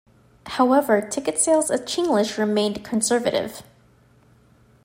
However, ticket sales of "Chinglish" remained conservative.